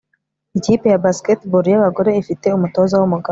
Ikipe ya basketball yabagore ifite umutoza wumugabo